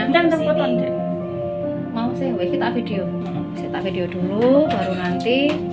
backgroundnya mau saya kita video video dulu baru nanti